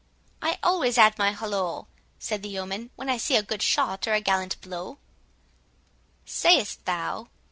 "I always add my hollo," said the yeoman, "when I see a good shot, or a gallant blow." "Sayst thou?"